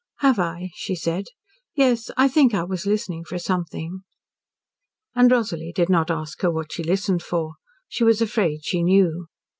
"Have I," she said. "Yes, I think I was listening for something." And Rosalie did not ask her what she listened for. She was afraid she knew.